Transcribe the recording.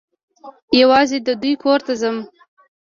یوازي د دوی کور ته ځم .